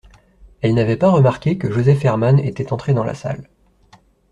elle n’avait pas remarqué que Joseph Herman était entré dans la salle.